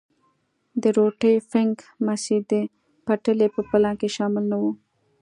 د روټي فنک مسیر د پټلۍ په پلان کې شامل نه وو.